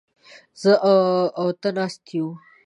زه او ته ناست يوو.